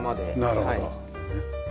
なるほど。